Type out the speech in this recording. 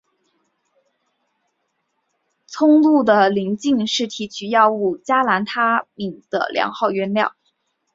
鹿葱的鳞茎是提取药品加兰他敏的良好原料。